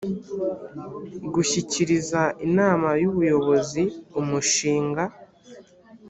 gushyikiriza inama y ubuyobozi umushinga